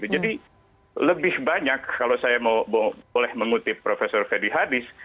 jadi lebih banyak kalau saya boleh mengutip prof fedy hadis